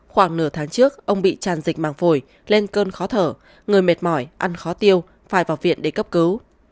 khoảng nửa tháng trước ông bị tràn dịch màng phổi lên cơn khó thở người mệt mỏi ăn khó tiêu phải vào viện để cấp cứu